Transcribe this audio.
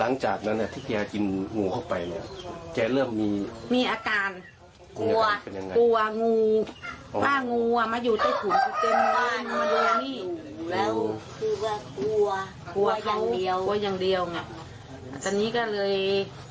อันนี้ก็เลยคิดมากอะไรมากแกก็เลยไปเรื่อยเลย